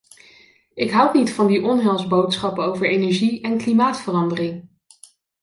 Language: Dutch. Ik houd niet van die onheilsboodschappen over energie en klimaatverandering.